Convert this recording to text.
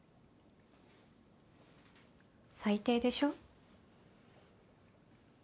最低でしょ。